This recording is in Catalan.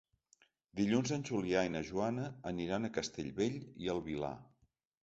Dilluns en Julià i na Joana aniran a Castellbell i el Vilar.